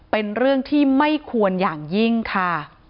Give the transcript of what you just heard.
เป็นเรื่องที่ไม่ควรอย่างยิ่งค่ะ